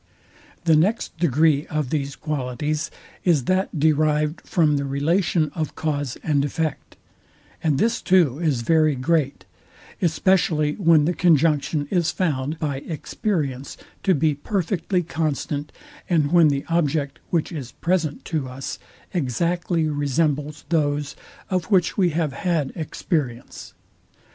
The next degree of these qualities is that derived from the relation of cause and effect; and this too is very great, especially when the conjunction is found by experience to be perfectly constant, and when the object, which is present to us, exactly resembles those, of which we have had experience.